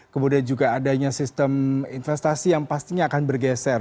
kemudian juga adanya sistem investasi yang pastinya akan bergeser